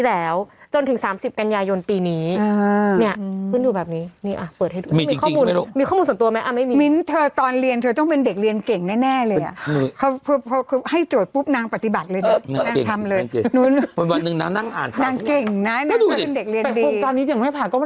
แล้วหนูจะใช้ไหมลูก